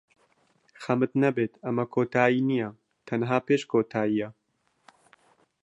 خەمت نەبێت، ئەمە کۆتایی نییە، تەنها پێش کۆتایییە.